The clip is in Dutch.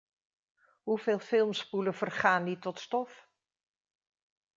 Hoeveel filmspoelen vergaan niet tot stof?